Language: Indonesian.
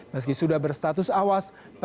meski sudah berstatus awas